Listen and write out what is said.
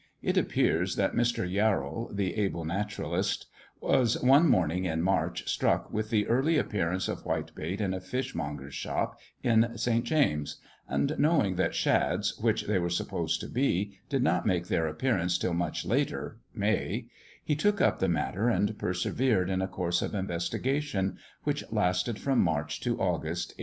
It appears that Mr. Yarrell, the able naturalist, was one morning in March struck with the early appearance of whitebait in a fishmonger's shop in St. James's; and knowing that shads, which they were supposed to be, did not make their appearance till much later (May), he took up the matter, and persevered in a course of investigation, which lasted from March to August, 1828.